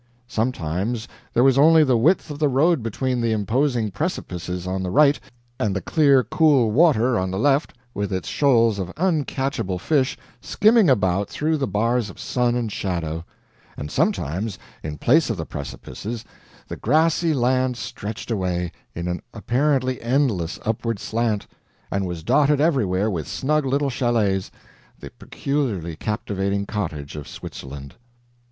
Sometimes there was only the width of the road between the imposing precipices on the right and the clear cool water on the left with its shoals of uncatchable fish skimming about through the bars of sun and shadow; and sometimes, in place of the precipices, the grassy land stretched away, in an apparently endless upward slant, and was dotted everywhere with snug little chalets, the peculiarly captivating cottage of Switzerland.